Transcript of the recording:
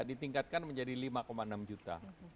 ditingkatkan menjadi lima enam juta